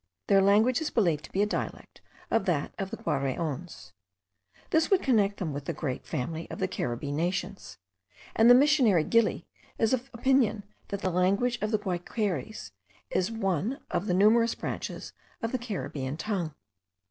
Their language is believed to be a dialect of that of the Guaraons. This would connect them with the great family of the Caribbee nations; and the missionary Gili is of opinion that the language of the Guaiqueries is one of the numerous branches of the Caribbean tongue.